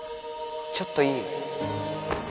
ちょっといい？